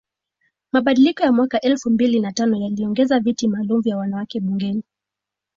Mabadiliko ya mwaka elfu mbili na tano yaliongeza viti maalum vya wanawake bungeni